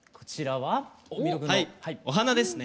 はいお花ですね。